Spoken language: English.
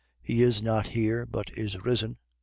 He is not here, but is risen.